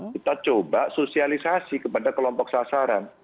kita coba sosialisasi kepada kelompok sasaran